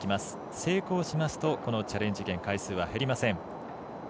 成功しますとチャレンジ権回数は減りません。